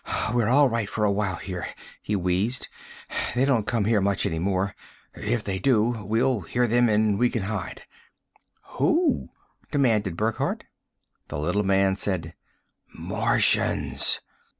"We're all right for a while here," he wheezed. "They don't come here much any more. If they do, we'll hear them and we can hide." "Who?" demanded Burckhardt. The little man said, "Martians!"